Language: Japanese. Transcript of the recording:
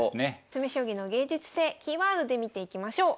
詰将棋の芸術性キーワードで見ていきましょう。